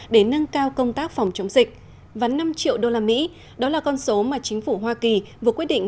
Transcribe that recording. để nâng cao công tác phòng chống dịch vắn năm triệu đô la mỹ đó là con số mà chính phủ hoa kỳ vừa quyết định